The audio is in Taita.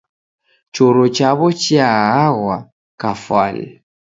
Choro chawo chiaghwagha kafwani.